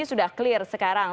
ini sudah clear sekarang